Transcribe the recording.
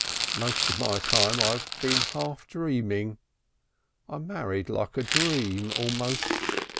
Most of my time I've been half dreaming. I married like a dream almost.